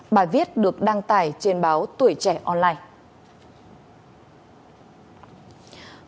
bài viết được đăng tải trên báo tuổi trẻ online